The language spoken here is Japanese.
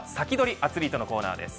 アツリートのコーナーです。